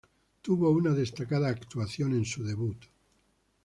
Tuvo una destacada actuación en su debut.